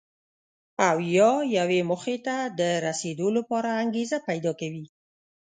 او یا یوې موخې ته د رسېدو لپاره انګېزه پیدا کوي.